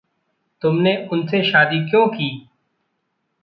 तुमने उनसे शादी क्यों की?